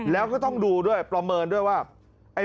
แล้วก็ต้องดูด้วยประเมินด้วยว่า